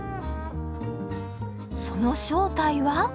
その正体は？